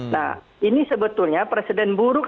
nah ini sebetulnya presiden buruk